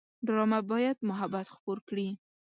ډرامه باید محبت خپور کړي